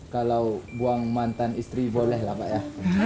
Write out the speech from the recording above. kalau buang mantan istri boleh lah pak ya